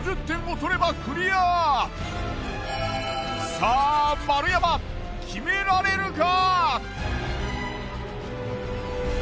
さあ丸山決められるか！？